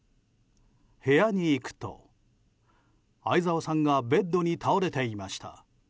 部屋に行くと、相沢さんがベッドに倒れていました。